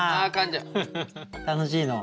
楽しいの？